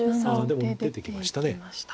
でも出てきました。